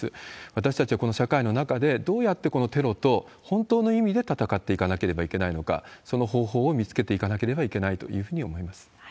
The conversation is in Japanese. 私たちはこの社会の中で、どうやってこのテロと、本当の意味で戦っていかなければいけないのか、その方法を見つけていかなければいけないというふうに思います。